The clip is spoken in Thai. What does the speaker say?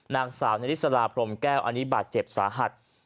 นางสาวนาริสราพรมแก้วอันนี้บาดเจ็บสาหัส